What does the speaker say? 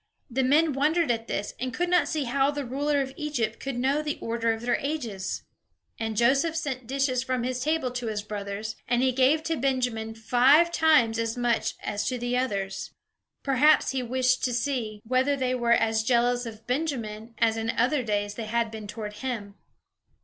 The men wondered at this, and could not see how the ruler of Egypt could know the order of their ages. And Joseph sent dishes from his table to his brothers, and he gave to Benjamin five times as much as to the others. Perhaps he wished to see whether they were as jealous of Benjamin as in other days they had been toward him.